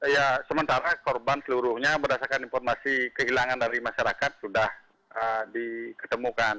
ya sementara korban seluruhnya berdasarkan informasi kehilangan dari masyarakat sudah diketemukan